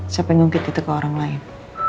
saya pengen ngungkit itu ke orang lain